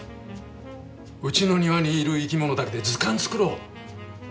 うちの庭にいる生き物だけで図鑑作ろう。